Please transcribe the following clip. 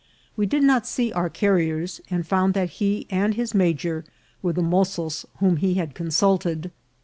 We did not see our carriers, and found that he and his major were the tmozos whom he had consulted.